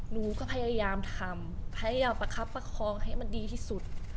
หนูก็พยายามทำพยายามประคับประคองให้มันดีที่สุด